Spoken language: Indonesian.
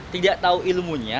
tidak tahu ilmunya